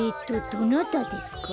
どなたですか？